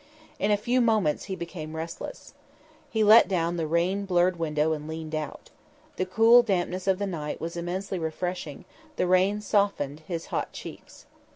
In a few moments he became restless. He let down the rain blurred window and leaned out. The cool dampness of the night was immensely refreshing, the rain softened his hot cheeks.